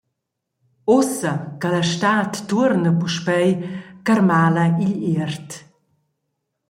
Ussa che la stad tuorna puspei carmala igl iert.